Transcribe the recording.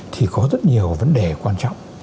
thì có rất nhiều vấn đề quan trọng